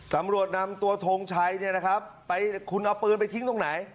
ขำรวจนำตัวโทงชัยไปคุณเอาปืนไปทิ้งตรงไหน